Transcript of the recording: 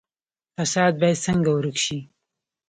فساد باید څنګه ورک شي؟